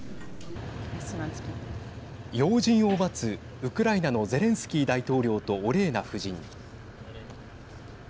要人を待つウクライナのゼレンスキー大統領とオレーナ夫人。